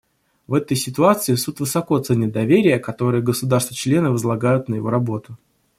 В этой ситуации Суд высоко ценит доверие, которое государства-члены возлагают на его работу.